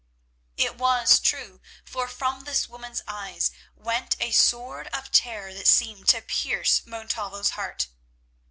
It was true, for from this woman's eyes went out a sword of terror that seemed to pierce Montalvo's heart.